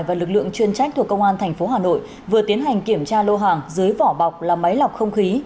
và lực lượng chuyên trách thuộc công an tp hà nội vừa tiến hành kiểm tra lô hàng dưới vỏ bọc là máy lọc không khí